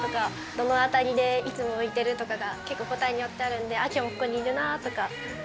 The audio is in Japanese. どのあたりでいつも浮いてるとかが個体によってあるんで、ここにいるなとか。